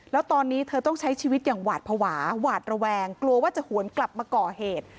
แล้วตอนนี้เธอต้องใช้ชีวิตอย่างหวาดภาวะหวาดระแวงกลัวว่าจะหวนกลับมาก่อเหตุ